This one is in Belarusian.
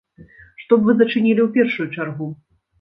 Што б вы зачынілі ў першую чаргу?